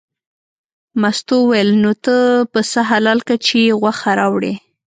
مستو وویل نو ته پسه حلال که چې یې غوښه راوړې.